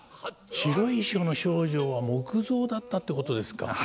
あっ白い衣装の丞相は木像だったってことですか？